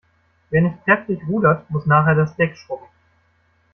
Wer nicht kräftig rudert, muss nachher das Deck schrubben.